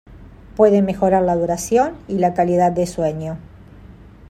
Puede mejorar la duración y la calidad del sueño.